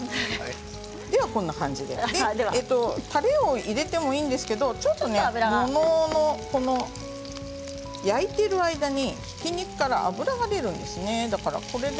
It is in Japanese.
たれを入れてもいいんですけどちょっと焼いている間にひき肉から脂が出るんですね。